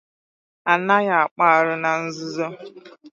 A naghị akpụ arụ na nzuzo